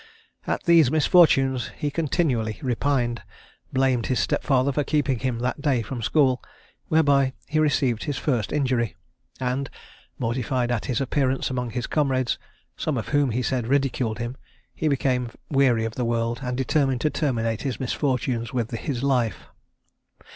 At these misfortunes he continually repined; blamed his stepfather for keeping him that day from school, whereby he received his first injury; and, mortified at his appearance among his comrades, some of whom, he said, ridiculed him, he became weary of the world, and determined to terminate his misfortunes with his life.